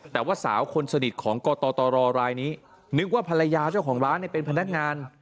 แต่ว่าสาวคนสนิทของกตรรายนี้นึกว่าภรรยาเจ้าของร้านเป็นพนักงาน